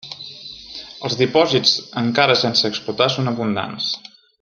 Els dipòsits encara sense explotar són abundants.